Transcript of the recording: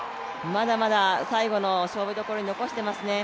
まだまだ最後の勝負どころに残していますね。